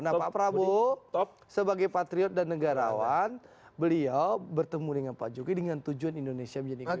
nah pak prabowo sebagai patriot dan negarawan beliau bertemu dengan pak jokowi dengan tujuan indonesia menjadi kota